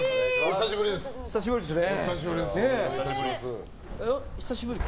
久しぶりですね。